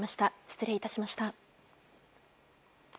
失礼いたしました。